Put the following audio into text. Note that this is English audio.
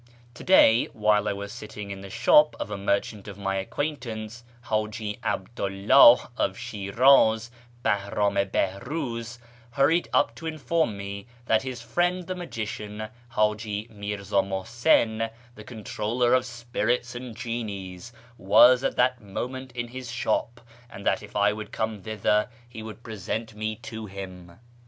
— To day, while I was sitting in the shop of a merchant of my acquaintance, Haji 'Abclu 'Ihih of Shiraz, Bahram i Bihruz hurried up to inform me that his friend the magician, Haji Mirza Muhsin, the controller of spirits and genies, was at that moment in his shop, and that if I would come thither he would present me to him.